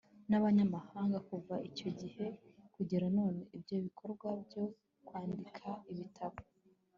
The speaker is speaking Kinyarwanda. n'abanyamahanga. kuva icyo gihe kugera none ibyo bikorwa byo kwandika ibitabo